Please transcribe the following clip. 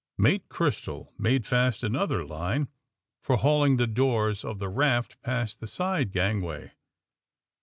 Mate Crystal made fast another line for hauling the doors of the raft past the side gangway.